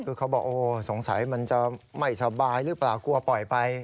คือเขาบอกโอ้สงสัยมันจะไม่สบายหรือเปล่ากลัวปล่อยไป